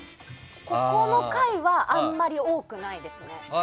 ここの階はあんまり多くないですね。